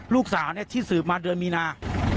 ลูกสาวที่สืบมาเดือนมีนา